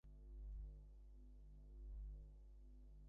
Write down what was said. কায়মনোবাক্যে পবিত্র না হইলে কেহ কখনও ধার্মিক হইতে পারে না।